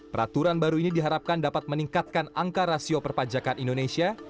peraturan baru ini diharapkan dapat meningkatkan angka rasio perpajakan indonesia